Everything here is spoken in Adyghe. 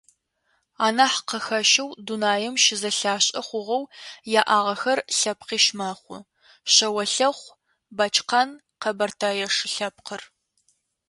Анахь къахэщэу, дунаим щызэлъашӏэ хъугъэу яӏагъэхэр лъэпкъищ мэхъу: шъэолъэхъу, бэчкъан, къэбэртэе шы лъэпкъыр.